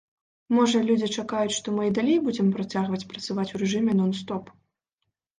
Можа, людзі чакаюць, што мы і далей будзем працягваць працаваць у рэжыме нон-стоп.